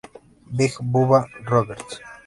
Big Bubba Rogers.